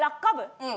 うん。